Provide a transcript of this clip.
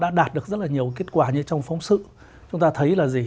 chúng ta đã đạt được rất là nhiều kết quả như trong phóng sự chúng ta thấy là gì